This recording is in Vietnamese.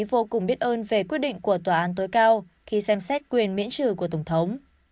vô cùng biết ơn về quyết định của tòa án tối cao khi xem xét quyền miễn trừ của tổng thống